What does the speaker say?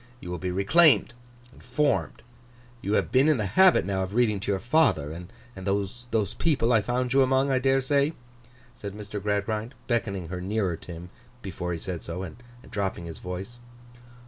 You will be reclaimed and formed. You have been in the habit now of reading to your father, and those people I found you among, I dare say?' said Mr. Gradgrind, beckoning her nearer to him before he said so, and dropping his voice.